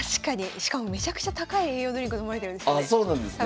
しかもめちゃくちゃ高い栄養ドリンク飲まれてるんですよね。